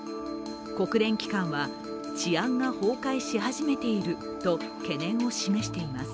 国連機関は、治安が崩壊し始めていると懸念を示しています。